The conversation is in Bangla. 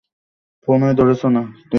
ফোনই ধরছে না।